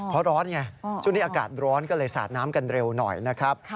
เพราะร้อนไงช่วงนี้อากาศร้อนก็เลยสาดน้ำกันเร็วหน่อยนะครับ